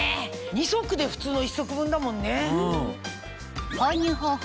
２足で普通の１足分だもんね。